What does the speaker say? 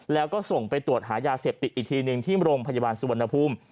แล้วก็ส่งไปตรวจหายาเสพติดอีกทีหนึ่งที่โรงพยาบาลสุวรรณภูมิ